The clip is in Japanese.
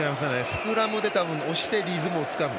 スクラムで押してリズムをつかむ。